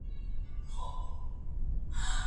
درسونه د زده کوونکي له خوا لوستل کيږي!